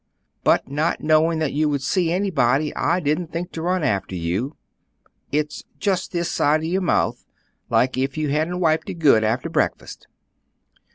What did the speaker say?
"But not knowin' that you would see anybody, I didn't think to run after you; so it's just this side your mouth, like if you hadn't wiped it good after breakfast."